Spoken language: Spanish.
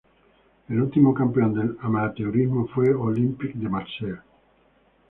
El último campeón del amateurismo fue Olympique de Marseille.